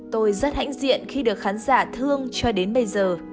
tôi rất hãnh diện khi được khán giả thương cho đến bây giờ